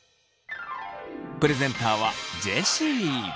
プレゼンターはジェシー。